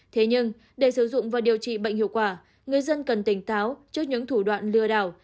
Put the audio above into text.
thế nhưng để sử dụng và điều trị bệnh hiệu quả người dân cần tỉnh táo trước những thủ đoạn lừa đảo